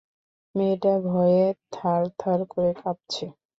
মেয়েটা ভয়ে থারথার করে কাঁপছে।